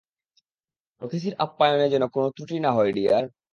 অতিথির আপ্যায়নে যেন কোন ত্রুটি না হয়, ডিয়ার।